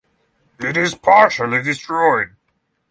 It is partially destroyed.